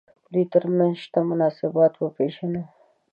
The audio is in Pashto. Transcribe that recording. دوی تر منځ شته مناسبات وپېژنو.